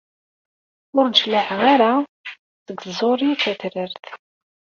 Ur d-cligeɣ ara seg tẓuri tatrart.